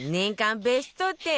ベスト１０